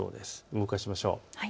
動かしましょう。